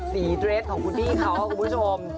สีเดรสของคุณพี่เขาคุณผู้ชม